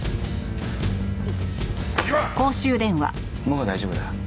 もう大丈夫だ。